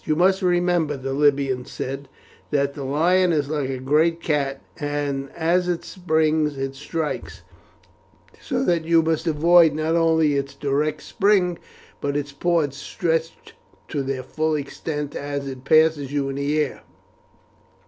"You must remember," the Libyan said, "that the lion is like a great cat, and as it springs it strikes, so that you must avoid not only its direct spring, but its paws stretched to their full extent as it passes you in the air.